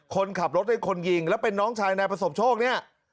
คนขับรถเป็นคนยิงแล้วเป็นน้องชายนายประสบโชคเนี่ย